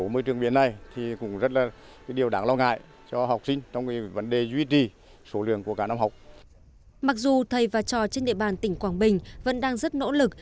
mặc dù thầy và trò trên địa bàn tỉnh quảng bình vẫn đang rất nỗ lực